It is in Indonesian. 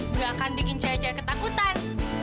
gak akan bikin cewe cewe ketakutan